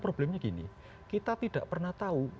problemnya gini kita tidak pernah tahu